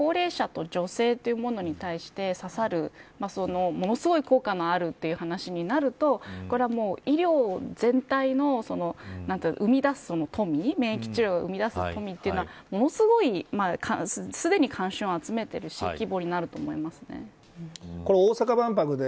高齢者と女性というものに対して、刺さるものすごい効果のあるという話になるとこれは医療全体の生み出す富免疫治療が生み出す富というのはすでにものすごく関心を集めてるしものすごい規模になると思います。